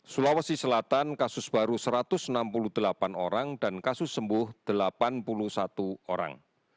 sulawesi selatan kasus baru satu ratus enam puluh delapan orang dan kasus sembuh delapan puluh satu orang